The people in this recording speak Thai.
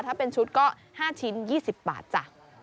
ถ้าเป็นชุดก็๕ชิ้น๒๐บาทจ้ะ